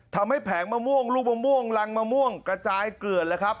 แผงมะม่วงลูกมะม่วงรังมะม่วงกระจายเกลือนเลยครับ